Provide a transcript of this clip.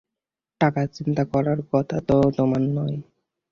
টাকার চিন্তা করার কথা তো তোমার নয়!